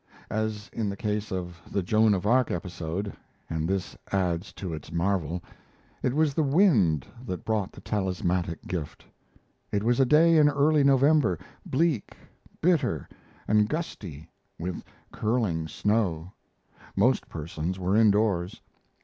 As in the case of the Joan of Arc episode (and this adds to its marvel), it was the wind that brought the talismanic gift. It was a day in early November bleak, bitter, and gusty, with curling snow; most persons were indoors.